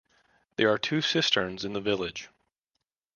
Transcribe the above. There are two cisterns in the village.